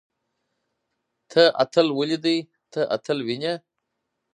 تۀ اتل وليدلې. ته اتل وينې؟